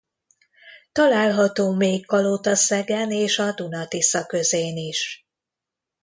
Található még Kalotaszegen és a Duna–Tisza közén is.